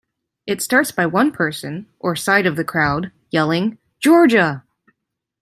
It starts by one person, or side of the crowd, yelling Georgia!